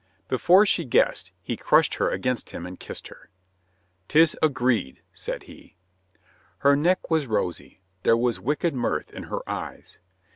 Before she guessed, he crushed her against him and kissed her. " 'Tis agreed," said he. Her neck was rosy. There was wicked mirth in her eyes.